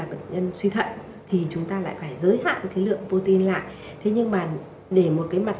bệnh nhân suy thận thì chúng ta lại phải giới hạn cái lượng protein lại thế nhưng mà để một cái mặt